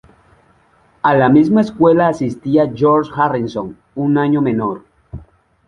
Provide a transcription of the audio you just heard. A la misma escuela asistía George Harrison, un año menor.